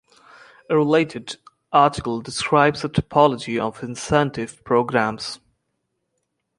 A related article describes a typology of incentive programs.